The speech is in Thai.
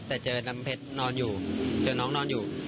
แต่เจอน้ำเพชรนอนอยู่เจอน้องนอนอยู่